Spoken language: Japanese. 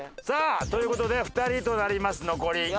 さあという事で２人となります残り。